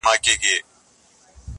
نوی منبر به جوړوو زاړه یادونه سوځو-